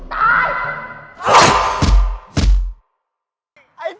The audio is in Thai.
ตาย